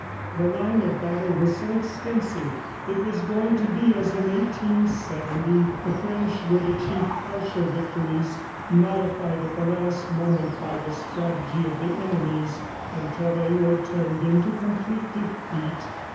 The line of battle was so extensive! ... It was going to be as in 1870; the French would achieve partial victories, modified at the last moment by the strategy of the enemies until they were turned into complete defeat.